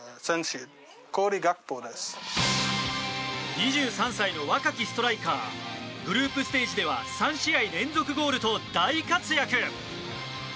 ２３歳の若きストライカーグループステージでは３試合連続ゴールと大活躍。